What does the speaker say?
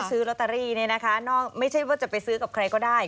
ซื้อลโตตะรีไม่ใช่ว่าจะไปซื้อกับใครก็ได้